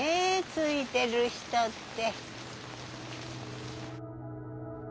ついてる人って。